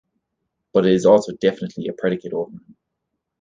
But it is also definitely a predicate over "him".